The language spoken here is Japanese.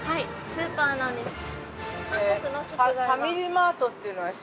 スーパーなんです。